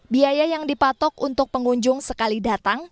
biaya yang dipatok untuk pengunjung sekali datang